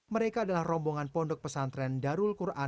mereka adalah rombongan pondok pesantren darul quran